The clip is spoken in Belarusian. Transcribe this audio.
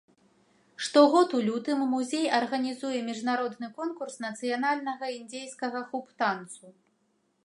Штогод у лютым музей арганізуе міжнародны конкурс нацыянальнага індзейскага хуп-танцу.